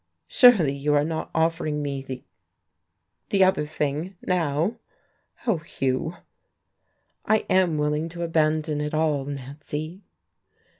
"Surely you are not offering me the the other thing, now. Oh, Hugh!" "I am willing to abandon it all, Nancy."